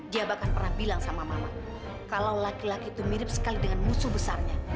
dia bahkan pernah bilang sama mama kalau laki laki itu mirip sekali dengan musuh besarnya